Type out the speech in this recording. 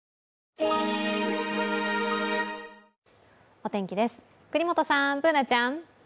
お天気です、國本さんＢｏｏｎａちゃん。